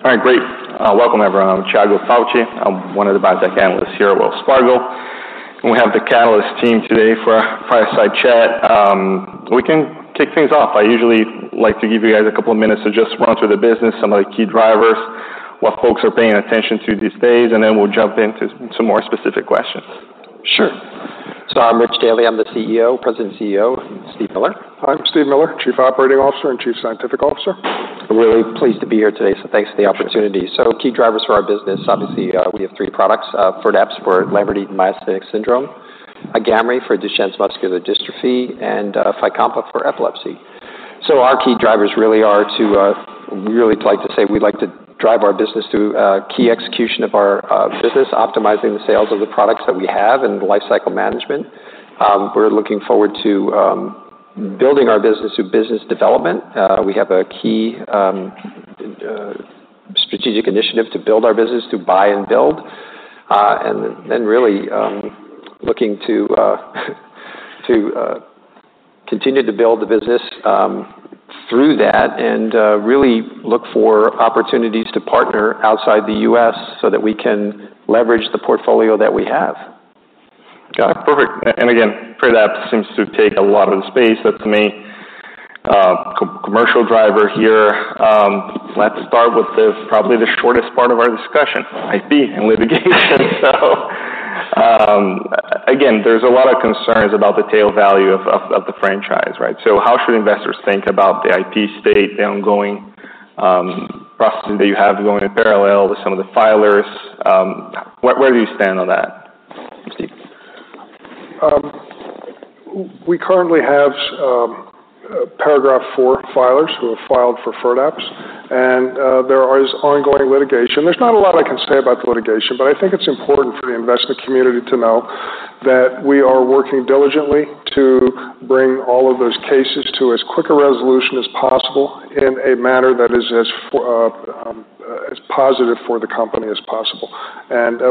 All right, great. Welcome, everyone. I'm Tiago Fauth. I'm one of the biotech analysts here at Wells Fargo, and we have the Catalyst team today for our fireside chat. We can kick things off. I usually like to give you guys a couple of minutes to just run through the business, some of the key drivers, what folks are paying attention to these days, and then we'll jump into some more specific questions. Sure. So I'm Rich Daly, the President and CEO, and Steve Miller. I'm Steve Miller, Chief Operating Officer and Chief Scientific Officer. We're really pleased to be here today, so thanks for the opportunity. Key drivers for our business, obviously, we have three products, Firdapse for Lambert-Eaton myasthenic syndrome, Agamree for Duchenne muscular dystrophy, and Fycompa for epilepsy. Our key drivers really are to, we really like to say we like to drive our business through, key execution of our business, optimizing the sales of the products that we have and the lifecycle management. We're looking forward to building our business through business development. We have a key strategic initiative to build our business, to buy and build, and then really looking to continue to build the business through that and really look for opportunities to partner outside the U.S. so that we can leverage the portfolio that we have. Got it. Perfect. And again, Firdapse seems to take a lot of the space. That's the main, commercial driver here. Let's start with the, probably the shortest part of our discussion, IP and litigation. So, again, there's a lot of concerns about the tail value of the franchise, right? So how should investors think about the IP state, the ongoing, process that you have going in parallel with some of the filers? Where do you stand on that, Steve? We currently have Paragraph IV filers who have filed for Firdapse, and there is ongoing litigation. There's not a lot I can say about the litigation, but I think it's important for the investment community to know that we are working diligently to bring all of those cases to as quick a resolution as possible in a manner that is as positive for the company as possible.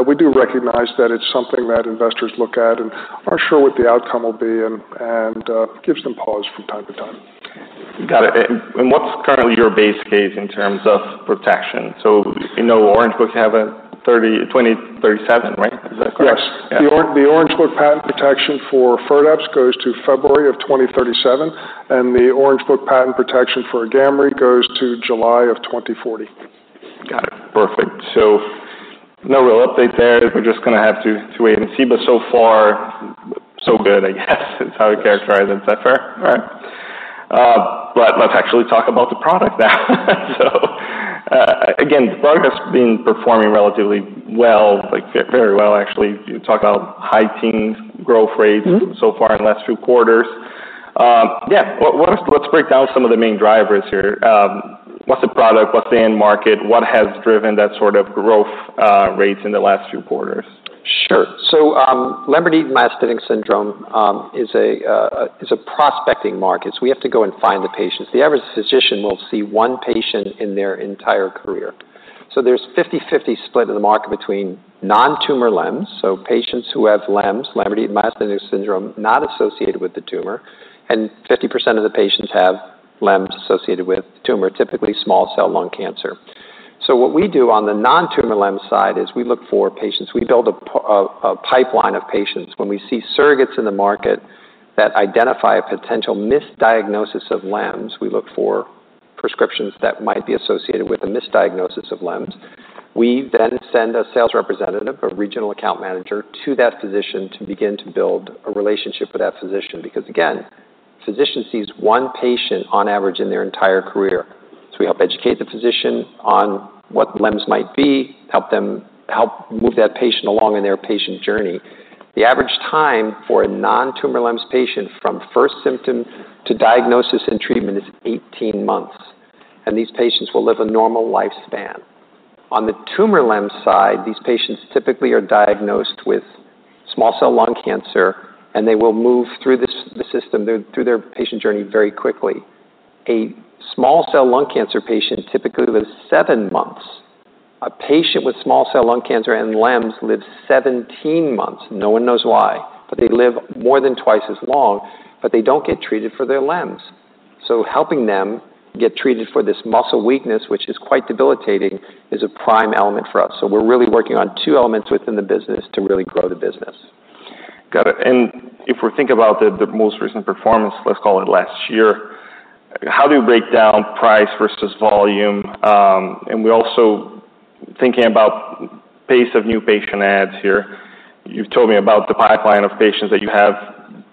We do recognize that it's something that investors look at and aren't sure what the outcome will be and gives them pause from time to time. Got it. And what's currently your base case in terms of protection? So you know, Orange Book have a 2037, right? Is that correct? Yes. Yeah. The Orange Book patent protection for Firdapse goes to February of 2037, and the Orange Book patent protection for Agamree goes to July of 2040. Got it. Perfect. So no real update there. We're just gonna have to wait and see, but so far, so good, I guess, is how I characterize it. Is that fair? All right. But let's actually talk about the product now. So, again, the product has been performing relatively well, like, very well, actually. You talk about high teens growth rates. So far in the last two quarters. Yeah, but what, let's break down some of the main drivers here. What's the product? What's the end market? What has driven that sort of growth rates in the last few quarters? Sure. So, Lambert-Eaton myasthenic syndrome is a prospecting market, so we have to go and find the patients. The average physician will see one patient in their entire career. So there's 50/50 split in the market between non-tumor LEMS, so patients who have LEMS, Lambert-Eaton myasthenic syndrome, not associated with the tumor, and 50% of the patients have LEMS associated with tumor, typically small cell lung cancer. So what we do on the non-tumor LEMS side is we look for patients. We build a pipeline of patients. When we see surrogates in the market that identify a potential misdiagnosis of LEMS, we look for prescriptions that might be associated with a misdiagnosis of LEMS. We then send a sales representative, a regional account manager, to that physician to begin to build a relationship with that physician, because, again, physician sees one patient on average in their entire career, so we help educate the physician on what LEMS might be, help them move that patient along in their patient journey. The average time for a non-tumor LEMS patient from first symptom to diagnosis and treatment is 18 months, and these patients will live a normal lifespan. On the tumor LEMS side, these patients typically are diagnosed with small cell lung cancer, and they will move through the system, through their patient journey very quickly. A small cell lung cancer patient typically lives seven months. A patient with small cell lung cancer and LEMS lives 17 months. No one knows why, but they live more than twice as long, but they don't get treated for their LEMS. So helping them get treated for this muscle weakness, which is quite debilitating, is a prime element for us. So we're really working on two elements within the business to really grow the business. Got it. And if we think about the most recent performance, let's call it last year, how do you break down price versus volume? And we're also thinking about pace of new patient adds here. You've told me about the pipeline of patients that you have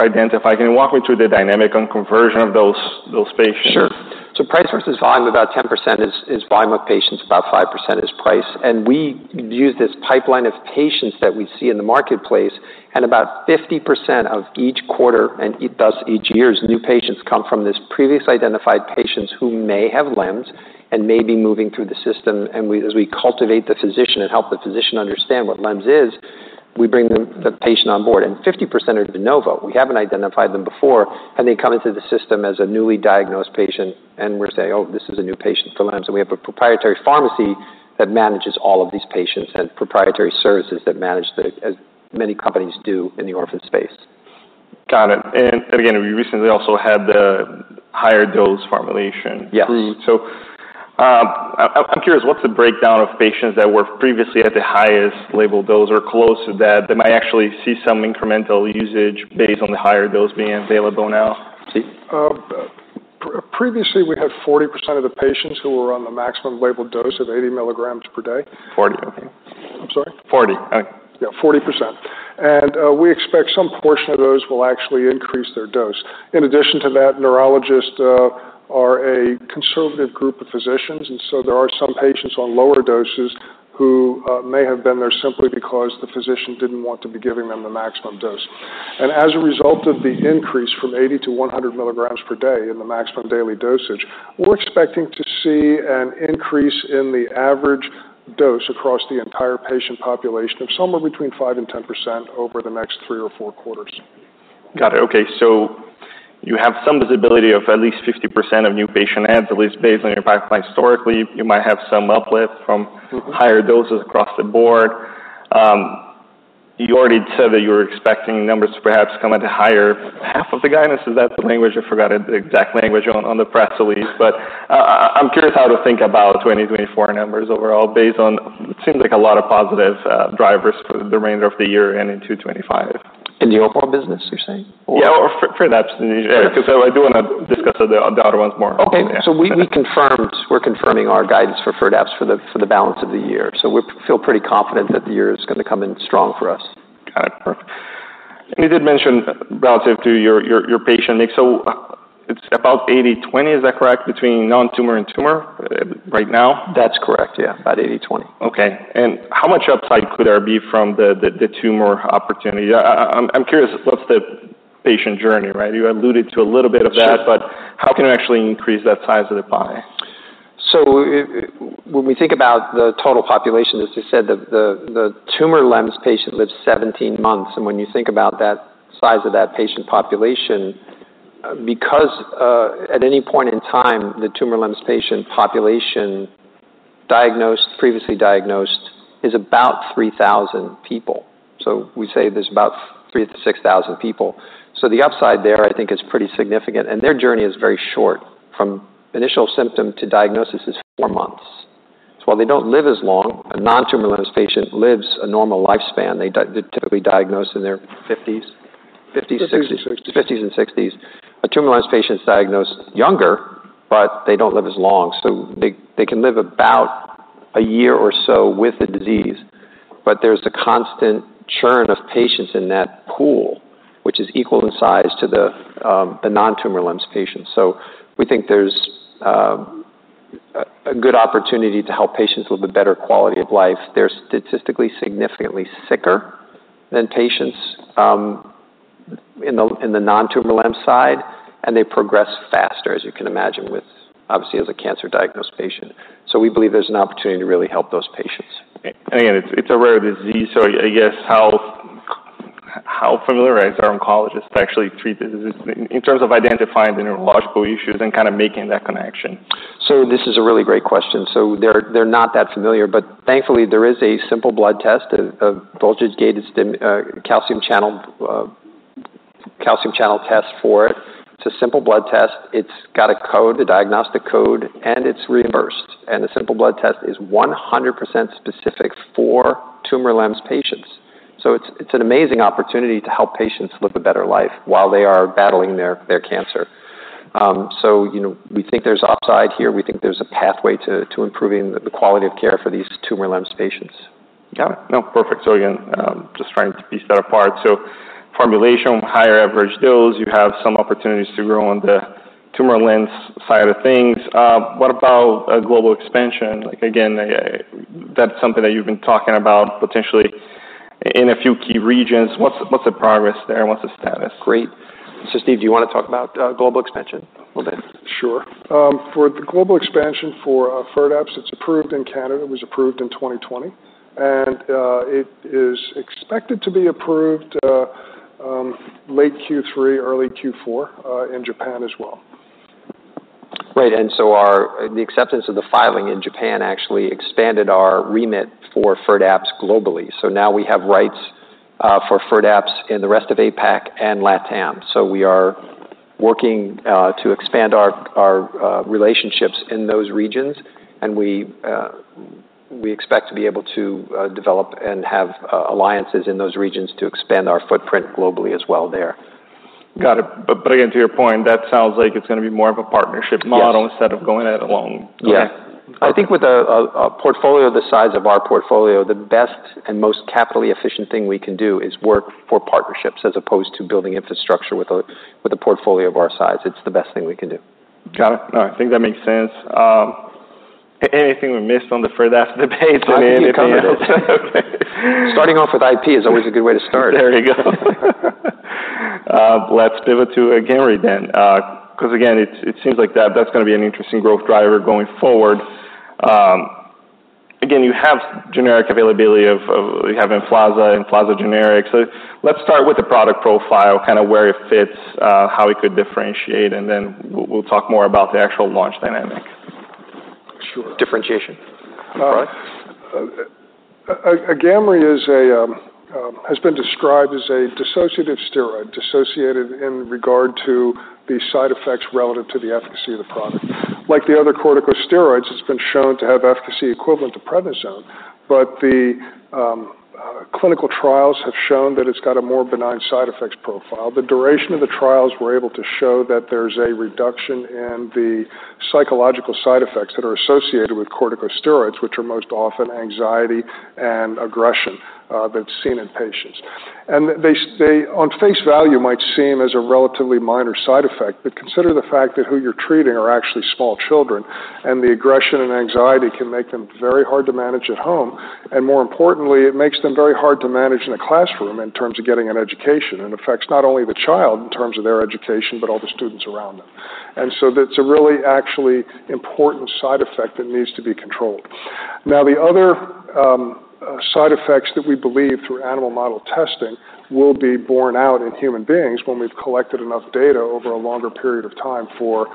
identified. Can you walk me through the dynamic on conversion of those patients? Sure. So price versus volume, about 10% is volume of patients, about 5% is price. And we use this pipeline of patients that we see in the marketplace, and about 50% of each quarter, and thus each year's new patients, come from this previous identified patients who may have LEMS and may be moving through the system. And we as we cultivate the physician and help the physician understand what LEMS is, we bring them, the patient on board, and 50% are de novo. We haven't identified them before, and they come into the system as a newly diagnosed patient, and we say: "Oh, this is a new patient for LEMS." And we have a proprietary pharmacy that manages all of these patients and proprietary services that manage the... As many companies do in the orphan space. Got it. And again, you recently also had the higher dose formulation. Yes. Approved. So, I'm curious, what's the breakdown of patients that were previously at the highest labeled dose or close to that, that might actually see some incremental usage based on the higher dose being available now? Previously, we had 40% of the patients who were on the maximum labeled dose of 80 mg per day. 40%, okay. I'm sorry? 40%, all right. Yeah, 40%. And we expect some portion of those will actually increase their dose. In addition to that, neurologists are a conservative group of physicians, and so there are some patients on lower doses who may have been there simply because the physician didn't want to be giving them the maximum dose. And as a result of the increase from 80 mg-100 mg per day in the maximum daily dosage, we're expecting to see an increase in the average dose across the entire patient population of somewhere between 5% and 10% over the next three or four quarters. Got it. Okay, so you have some visibility of at least 50% of new patient adds, at least based on your pipeline. Historically, you might have some uplift from higher doses across the board. You already said that you were expecting numbers to perhaps come at the higher half of the guidance. Is that the language? I forgot the exact language on the press release. But, I'm curious how to think about 2024 numbers overall, based on. It seems like a lot of positive drivers for the remainder of the year and into 2025. In the overall business, you're saying? Yeah, or for Firdapse. Yeah, because I do wanna discuss the other ones more. Okay. Yeah. We confirmed. We're confirming our guidance for Firdapse for the balance of the year. We feel pretty confident that the year is gonna come in strong for us. Got it. Perfect. You did mention relative to your patient mix, so it's about 80-20, is that correct, between non-tumor and tumor right now? That's correct, yeah, about 80-20. Okay. And how much upside could there be from the tumor opportunity? I'm curious, what's the patient journey, right? You alluded to a little bit of that. Sure. But how can you actually increase that size of the pie? When we think about the total population, as you said, the tumor LEMS patient lives 17 months. When you think about that size of that patient population, because at any point in time, the tumor LEMS patient population diagnosed, previously diagnosed, is about 3,000 people. We say there's about 3,000 to 6,000 people. The upside there, I think, is pretty significant, and their journey is very short. From initial symptom to diagnosis is four months. While they don't live as long, a non-tumor LEMS patient lives a normal lifespan. They're typically diagnosed in their 50s, 60s. 50s, 60s. 50s and 60s. A tumor LEMS patient is diagnosed younger, but they don't live as long. So they can live about a year or so with the disease, but there's a constant churn of patients in that pool, which is equal in size to the non-tumor LEMS patients. So we think there's a good opportunity to help patients live a better quality of life. They're statistically significantly sicker than patients in the non-tumor LEMS side, and they progress faster, as you can imagine, with obviously as a cancer-diagnosed patient. So we believe there's an opportunity to really help those patients. Again, it's a rare disease, so I guess, how familiar is our oncologist to actually treat this disease in terms of identifying the neurological issues and kind of making that connection? This is a really great question. They're not that familiar, but thankfully, there is a simple blood test, a voltage-gated calcium channel test for it. It's a simple blood test. It's got a code, a diagnostic code, and it's reimbursed. The simple blood test is 100% specific for tumor LEMS patients. It's an amazing opportunity to help patients live a better life while they are battling their cancer. You know, we think there's upside here. We think there's a pathway to improving the quality of care for these tumor LEMS patients. Got it. No, perfect. So again, just trying to piece that apart. So formulation, higher average dose, you have some opportunities to grow on the tumor LEMS side of things. What about a global expansion? Like, again, that's something that you've been talking about potentially in a few key regions. What's the progress there, and what's the status? Great. So Steve, do you wanna talk about global expansion a little bit? Sure. For the global expansion for Firdapse, it's approved in Canada. It was approved in 2020, and it is expected to be approved late Q3, early Q4 in Japan as well. Right, and so the acceptance of the filing in Japan actually expanded our remit for Firdapse globally. So now we have rights for Firdapse in the rest of APAC and LATAM. So we are working to expand our relationships in those regions, and we expect to be able to develop and have alliances in those regions to expand our footprint globally as well there. Got it. But again, to your point, that sounds like it's gonna be more of a partnership model. Yes Instead of going at it alone. Yeah. Okay. I think with a portfolio the size of our portfolio, the best and most capital efficient thing we can do is work for partnerships as opposed to building infrastructure with a portfolio of our size. It's the best thing we can do. Got it. I think that makes sense. Anything we missed on the Firdapse debate? I think you covered it. Okay. Starting off with IP is always a good way to start. There you go. Let's pivot to Agamree then, because again, it seems like that's gonna be an interesting growth driver going forward. Again, you have generic availability of... You have Emflaza and Emflaza generics. So let's start with the product profile, kind of where it fits, how we could differentiate, and then we'll talk more about the actual launch dynamic. Sure. Differentiation? Agamree is a, has been described as a dissociative steroid, dissociated in regard to the side effects relative to the efficacy of the product. Like the other corticosteroids, it's been shown to have efficacy equivalent to prednisone, but the, clinical trials have shown that it's got a more benign side effects profile. The duration of the trials were able to show that there's a reduction in the psychological side effects that are associated with corticosteroids, which are most often anxiety and aggression, that's seen in patients. They, on face value, might seem as a relatively minor side effect, but consider the fact that who you're treating are actually small children, and the aggression and anxiety can make them very hard to manage at home. And more importantly, it makes them very hard to manage in a classroom in terms of getting an education, and affects not only the child in terms of their education, but all the students around them. And so that's a really actually important side effect that needs to be controlled. Now, the other side effects that we believe, through animal model testing, will be borne out in human beings when we've collected enough data over a longer period of time for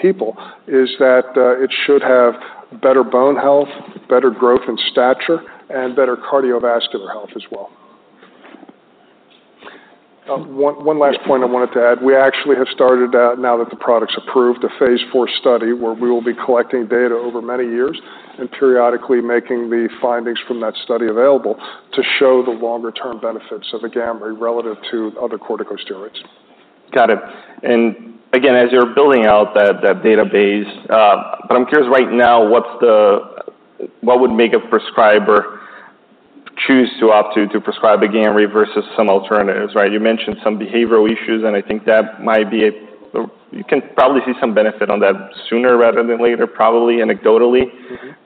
people, is that it should have better bone health, better growth and stature, and better cardiovascular health as well. One last point I wanted to add. We actually have started out, now that the product's approved, a phase IV study, where we will be collecting data over many years and periodically making the findings from that study available to show the longer term benefits of Agamree relative to other corticosteroids. Got it. And again, as you're building out that database, but I'm curious right now, what's the... What would make a prescriber choose to opt to prescribe Agamree versus some alternatives, right? You mentioned some behavioral issues, and I think that might be, you can probably see some benefit on that sooner rather than later, probably anecdotally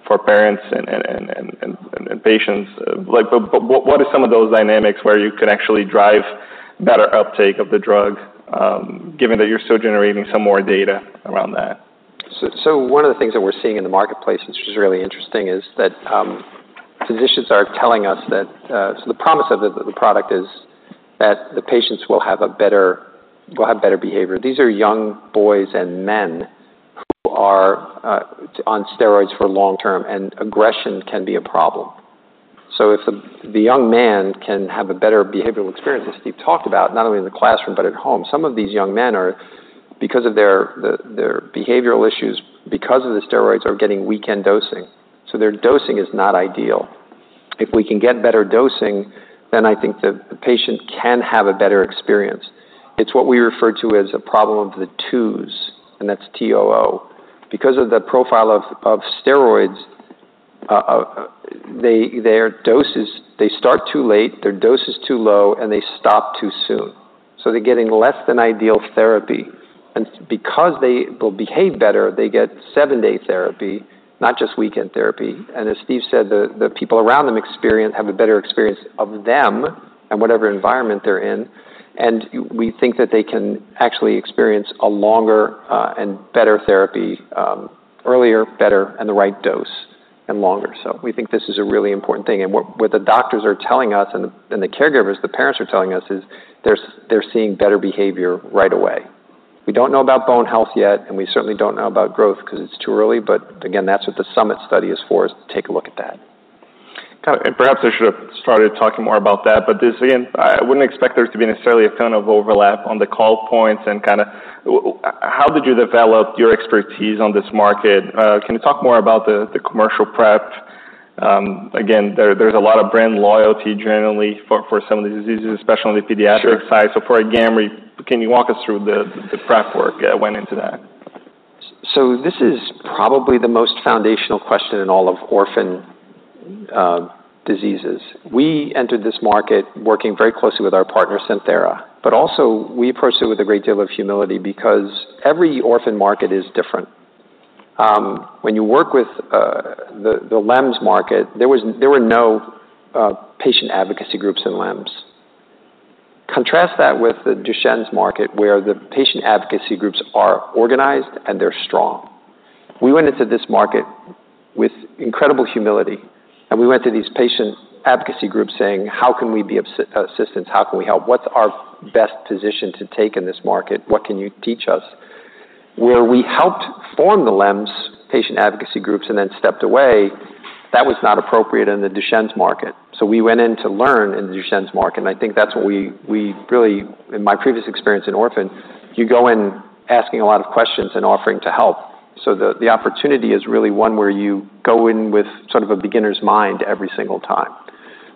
for parents and patients. Like, but what are some of those dynamics where you can actually drive better uptake of the drug, given that you're still generating some more data around that? So one of the things that we're seeing in the marketplace, which is really interesting, is that physicians are telling us that so the promise of the product is that the patients will have better behavior. These are young boys and men who are on steroids for long term, and aggression can be a problem. So if the young man can have a better behavioral experience, as Steve talked about, not only in the classroom but at home, some of these young men are, because of their behavioral issues, because of the steroids, are getting weekend dosing. So their dosing is not ideal. If we can get better dosing, then I think the patient can have a better experience. It's what we refer to as a problem of the toos, and that's T-O-O. Because of the profile of steroids, they their doses. They start too late, their dose is too low, and they stop too soon. So they're getting less than ideal therapy. And because they will behave better, they get seven-day therapy, not just weekend therapy. And as Steve said, the people around them have a better experience of them and whatever environment they're in, and we think that they can actually experience a longer and better therapy earlier and the right dose and longer so. We think this is a really important thing. And what the doctors are telling us and the caregivers, the parents are telling us is they're seeing better behavior right away. We don't know about bone health yet, and we certainly don't know about growth, because it's too early, but again, that's what the same study is for, is to take a look at that. Got it. And perhaps I should have started talking more about that, but just again, I wouldn't expect there to be necessarily a ton of overlap on the call points. And kind of, how did you develop your expertise on this market? Can you talk more about the commercial prep? Again, there, there's a lot of brand loyalty generally for some of the diseases, especially on the pediatric. Sure. Side. So for Agamree, can you walk us through the prep work that went into that? So this is probably the most foundational question in all of orphan diseases. We entered this market working very closely with our partner, Santhera, but also we approached it with a great deal of humility because every orphan market is different. When you work with the LEMS market, there were no patient advocacy groups in LEMS. Contrast that with the Duchenne's market, where the patient advocacy groups are organized, and they're strong. We went into this market with incredible humility, and we went to these patient advocacy groups saying: How can we be of assistance? How can we help? What's our best position to take in this market? What can you teach us? Whereas we helped form the LEMS patient advocacy groups and then stepped away, that was not appropriate in the Duchenne's market. So we went in to learn in the Duchenne's market, and I think that's what we really. In my previous experience in Orphan, you go in asking a lot of questions and offering to help. So the opportunity is really one where you go in with sort of a beginner's mind every single time.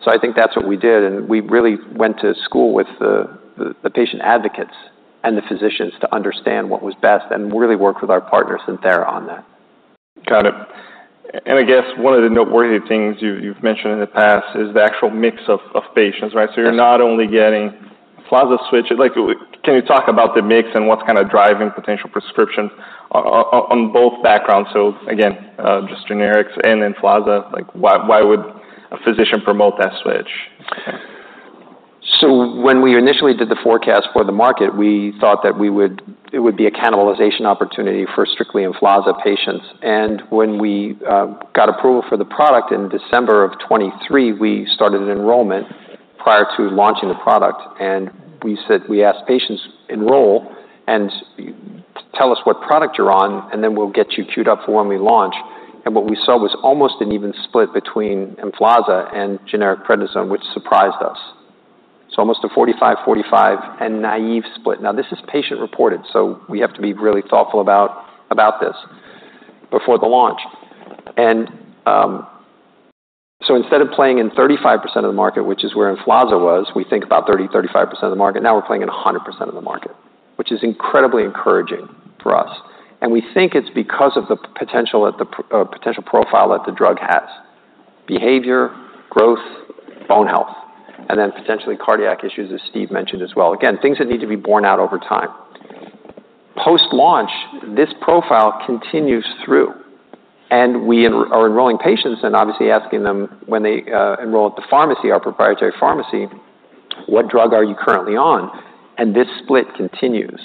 So I think that's what we did, and we really went to school with the patient advocates and the physicians to understand what was best and really worked with our partner, Santhera, on that. Got it. And I guess one of the noteworthy things you've mentioned in the past is the actual mix of patients, right? Yes. So you're not only getting Emflaza switch. Like, can you talk about the mix and what's kind of driving potential prescription on both backgrounds? So again, just generics and in Emflaza, like, why, why would a physician promote that switch? When we initially did the forecast for the market, we thought that it would be a cannibalization opportunity for strictly Emflaza patients. When we got approval for the product in December of 2023, we started an enrollment prior to launching the product, and we said, we asked patients, "Enroll, and tell us what product you're on, and then we'll get you queued up for when we launch." What we saw was almost an even split between Emflaza and generic prednisone, which surprised us. Almost a 45, 45, and naive split. This is patient-reported, so we have to be really thoughtful about this before the launch. So instead of playing in 35% of the market, which is where Emflaza was, we think about 30, 35% of the market, now we're playing in 100% of the market, which is incredibly encouraging for us. And we think it's because of the potential profile that the drug has: behavior, growth, bone health, and then potentially cardiac issues, as Steve mentioned as well. Again, things that need to be borne out over time. Post-launch, this profile continues through, and we are enrolling patients and obviously asking them when they enroll at the pharmacy, our proprietary pharmacy, "What drug are you currently on?" And this split continues.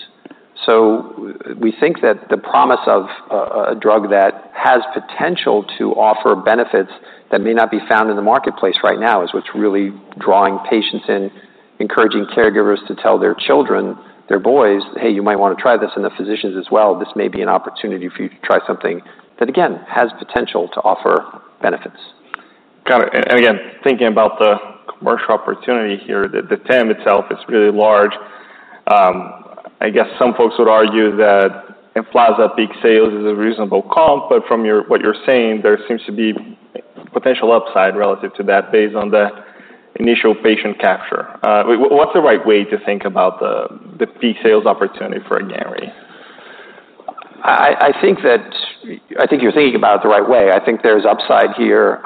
So we think that the promise of a drug that has potential to offer benefits that may not be found in the marketplace right now is what's really drawing patients in, encouraging caregivers to tell their children, their boys, "Hey, you might wanna try this," and the physicians as well, "This may be an opportunity for you to try something" that, again, has potential to offer benefits. Got it. And again, thinking about the commercial opportunity here, the TAM itself is really large. I guess some folks would argue that Emflaza peak sales is a reasonable comp, but from what you're saying, there seems to be potential upside relative to that, based on the initial patient capture. What's the right way to think about the peak sales opportunity for Agamree? I think that. I think you're thinking about it the right way. I think there's upside here.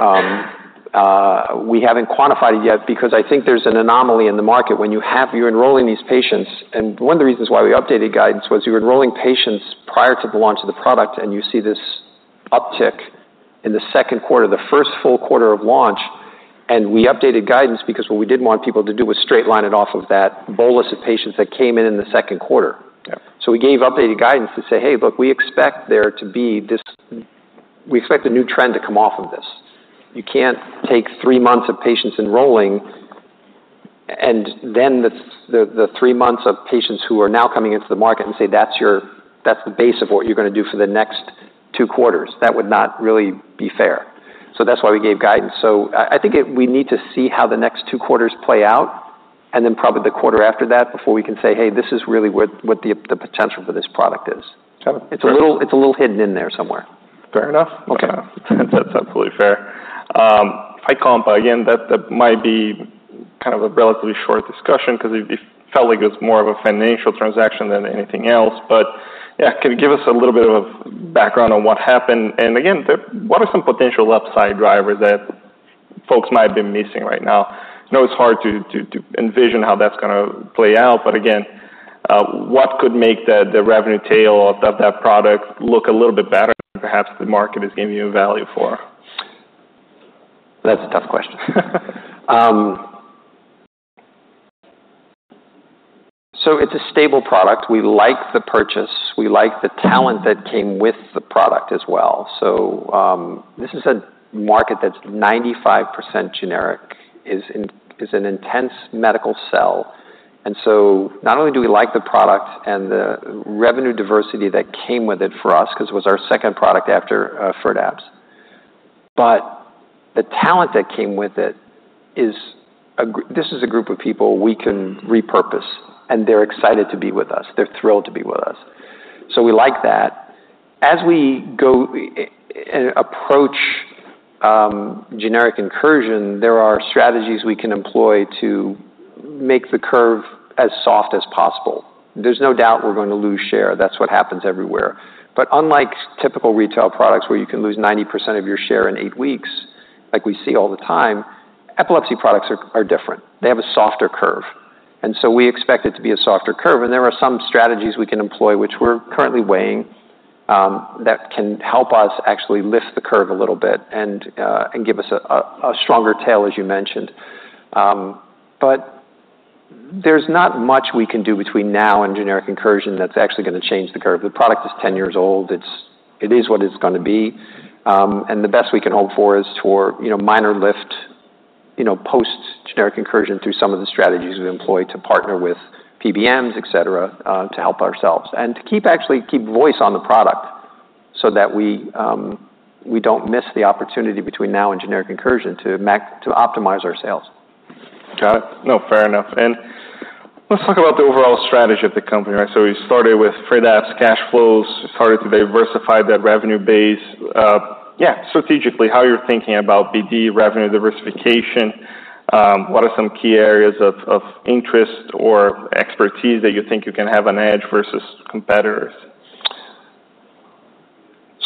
We haven't quantified it yet because I think there's an anomaly in the market. When you have, you're enrolling these patients, and one of the reasons why we updated guidance was you're enrolling patients prior to the launch of the product, and you see this uptick in the second quarter, the first full quarter of launch, and we updated guidance because what we didn't want people to do was straight line it off of that bolus of patients that came in, in the second quarter. Yep. So we gave updated guidance to say, "Hey, look, we expect there to be this. We expect a new trend to come off of this." You can't take three months of patients enrolling and then the three months of patients who are now coming into the market and say, "That's your. That's the base of what you're gonna do for the next two quarters." That would not really be fair. So that's why we gave guidance. So I think we need to see how the next two quarters play out, and then probably the quarter after that, before we can say, "Hey, this is really what the potential for this product is. Got it. It's a little hidden in there somewhere. Fair enough. Okay. That's absolutely fair. Fycompa, again, that might be kind of a relatively short discussion because it felt like it was more of a financial transaction than anything else, but yeah, can you give us a little bit of background on what happened? Again, what are some potential upside drivers that folks might have been missing right now? I know it's hard to envision how that's gonna play out, but again, what could make the revenue tail of that product look a little bit better than perhaps the market is giving you value for? That's a tough question. So it's a stable product. We like the purchase. We like the talent that came with the product as well. So, this is a market that's 95% generic, is an intense medical sell. And so not only do we like the product and the revenue diversity that came with it for us, 'cause it was our second product after Firdapse, but the talent that came with it is a group of people we can repurpose, and they're excited to be with us. They're thrilled to be with us. So we like that. As we go and approach generic incursion, there are strategies we can employ to make the curve as soft as possible. There's no doubt we're going to lose share. That's what happens everywhere. But unlike typical retail products, where you can lose 90% of your share in eight weeks, like we see all the time, epilepsy products are different. They have a softer curve, and so we expect it to be a softer curve, and there are some strategies we can employ, which we're currently weighing, that can help us actually lift the curve a little bit and give us a stronger tail, as you mentioned. But there's not much we can do between now and generic incursion that's actually gonna change the curve. The product is ten years old. It is what it's gonna be. And the best we can hope for is for, you know, minor lift, you know, post-generic incursion through some of the strategies we've employed to partner with PBMs, et cetera, to help ourselves. To keep, actually, keep focus on the product so that we don't miss the opportunity between now and generic incursion to optimize our sales. Got it. No, fair enough. And let's talk about the overall strategy of the company, right? So we started with FIRDAPSE cash flows, started to diversify that revenue base. Yeah, strategically, how you're thinking about BD revenue diversification, what are some key areas of interest or expertise that you think you can have an edge versus competitors?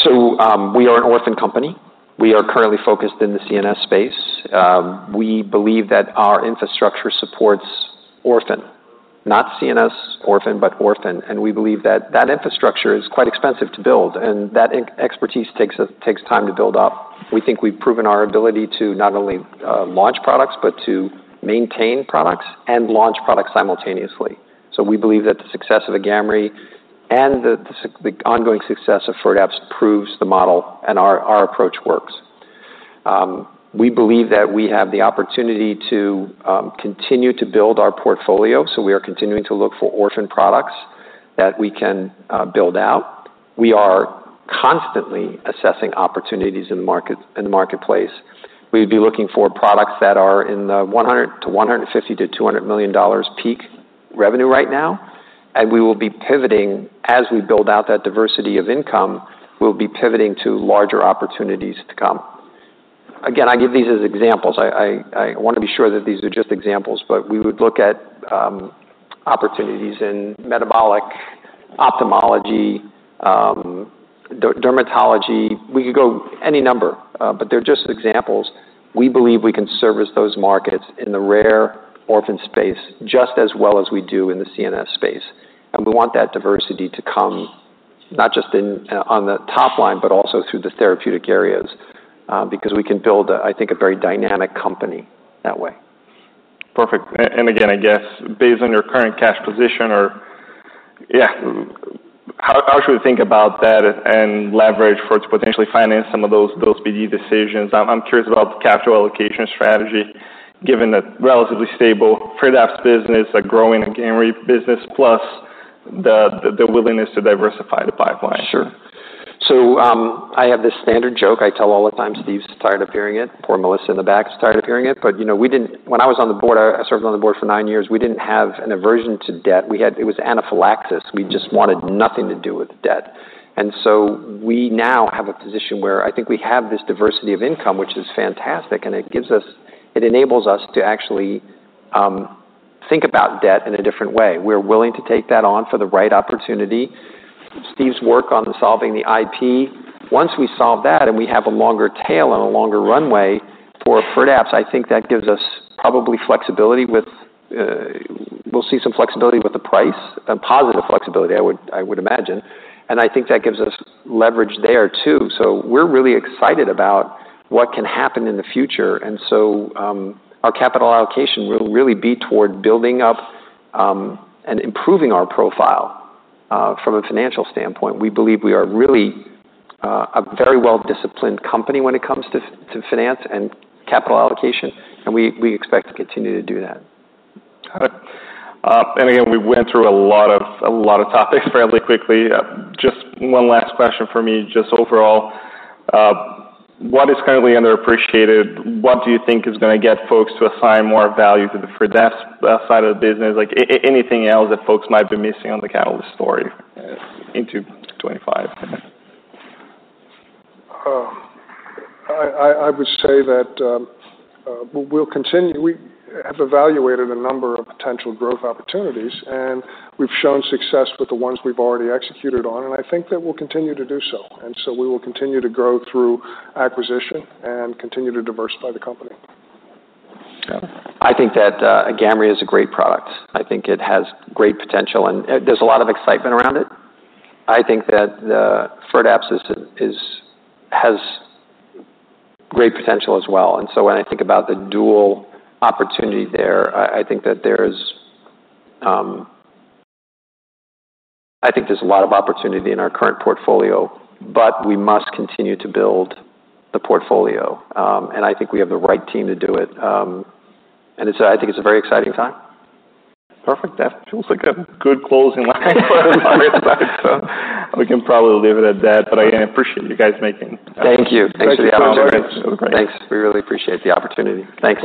We are an orphan company. We are currently focused in the CNS space. We believe that our infrastructure supports orphan, not CNS orphan, but orphan. We believe that that infrastructure is quite expensive to build, and that expertise takes time to build up. We think we've proven our ability to not only launch products, but to maintain products and launch products simultaneously. We believe that the success of the Agamree and the ongoing success of Firdapse proves the model, and our approach works. We believe that we have the opportunity to continue to build our portfolio, so we are continuing to look for orphan products that we can build out. We are constantly assessing opportunities in the marketplace. We'd be looking for products that are in the $100 million-$150 million-$200 million peak revenue right now, and we will be pivoting as we build out that diversity of income. We'll be pivoting to larger opportunities to come. Again, I give these as examples. I want to be sure that these are just examples, but we would look at opportunities in metabolic, ophthalmology, dermatology. We could go any number, but they're just examples. We believe we can service those markets in the rare orphan space just as well as we do in the CNS space. We want that diversity to come, not just in, on the top line, but also through the therapeutic areas, because we can build, I think, a very dynamic company that way. Perfect. And again, I guess based on your current cash position or, yeah, how should we think about that and leverage for it to potentially finance some of those BD decisions? I'm curious about the capital allocation strategy, given the relatively stable Firdapse business, a growing Agamree business, plus the willingness to diversify the pipeline. Sure. So, I have this standard joke I tell all the time. Steve's tired of hearing it. Poor Melissa in the back is tired of hearing it. But, you know, we didn't. When I was on the board, I served on the board for nine years, we didn't have an aversion to debt. We had. It was anaphylaxis. We just wanted nothing to do with debt. And so we now have a position where I think we have this diversity of income, which is fantastic, and it gives us. It enables us to actually think about debt in a different way. We're willing to take that on for the right opportunity. Steve's work on solving the IP, once we solve that, and we have a longer tail and a longer runway for Firdapse, I think that gives us probably flexibility with. We'll see some flexibility with the price, a positive flexibility, I would imagine, and I think that gives us leverage there, too, so we're really excited about what can happen in the future, and so our capital allocation will really be toward building up and improving our profile from a financial standpoint. We believe we are really a very well-disciplined company when it comes to finance and capital allocation, and we expect to continue to do that. Got it, and again, we went through a lot of, a lot of topics fairly quickly. Just one last question for me. Just overall, what is currently underappreciated? What do you think is gonna get folks to assign more value to the Firdapse side of the business? Like, anything else that folks might be missing on the Catalyst story into 2025? I would say that we'll continue. We have evaluated a number of potential growth opportunities, and we've shown success with the ones we've already executed on, and I think that we'll continue to do so, and so we will continue to grow through acquisition and continue to diversify the company. I think that Agamree is a great product. I think it has great potential, and there's a lot of excitement around it. I think that Firdapse has great potential as well. And so when I think about the dual opportunity there, I think there's a lot of opportunity in our current portfolio, but we must continue to build the portfolio, and I think we have the right team to do it, and I think it's a very exciting time. Perfect. That feels like a good closing line. So we can probably leave it at that, but I appreciate you guys making. Thank you. Thanks for the opportunity. Great. Thanks. We really appreciate the opportunity. Thanks.